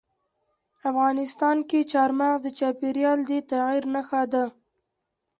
افغانستان کې چار مغز د چاپېریال د تغیر نښه ده.